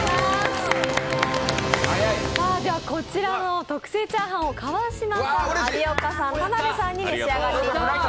こちらの特製チャーハンを川島さん、有岡さん、田辺さんに召し上がっていただきます。